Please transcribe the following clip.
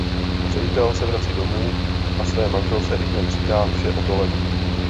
Ředitel se vrací domů a své manželce ihned říká vše o Toledu.